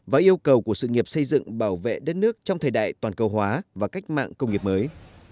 và yêu cầu của sự nghiệp xây dựng bảo vệ đất nước trong thời đại toàn cầu hóa và cách mạng công nghiệp mới